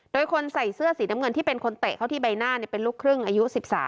โดยคนใส่เสื้อสีน้ำเงินที่เป็นคนเตะเข้าที่ใบหน้าเป็นลูกครึ่งอายุ๑๓